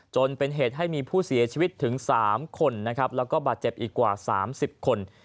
จนเป็นเหตุให้มีผู้เสียชีวิตถึง๓คนนะครับแล้วก็บาดเจ็บอีกกว่า๓๐คน